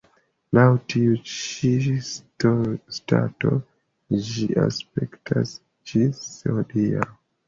Laŭ tiu ĉi stato ĝi aspektas ĝis hodiaŭ.